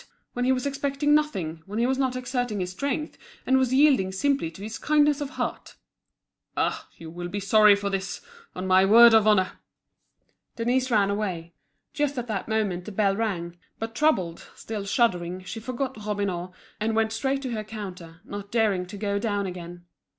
when he was expecting nothing, when he was not exerting his strength, and was yielding simply to his kindness of heart! "Ah, you will be sorry for this, on my word of honour!" Denise Repulsing the Amorous Advances of M. Jouve Denise ran away. Just at that moment the bell rang; but troubled, still shuddering, she forgot Robineau, and went straight to her counter, not daring to go down again.